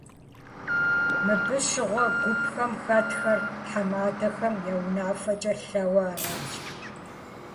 Мыбы щыгъуэ гупхэм хэтхэр тхьэмадэхэм я унафэкӀэ лъэуэ аращ.